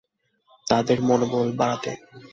তাদের মনোবল বাড়াতে।